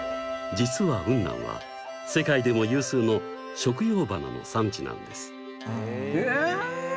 実は雲南は世界でも有数の食用花の産地なんです。